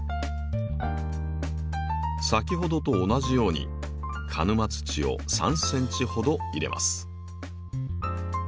先ほどと同じように鹿沼土を３ｃｍほど入れます。